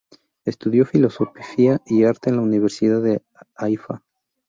Estudió filosofía y arte en la Universidad de Haifa.